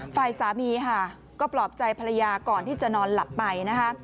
ฝ่ายสามีค่ะก็ปลอบใจภรรยาก่อนที่จะนอนหลับไปนะคะ